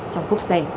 trong khúc xe